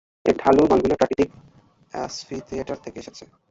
এর ঢালু লনগুলো প্রাকৃতিক অ্যাম্ফিথিয়েটার থেকে এসেছে।